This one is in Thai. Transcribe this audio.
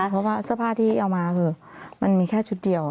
ใช่เพราะว่าสภาพที่เอามาจะมีแค่ชุดเดียว